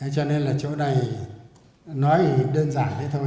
cho nên là chỗ này nói đơn giản thế thôi